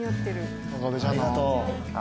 ありがとう。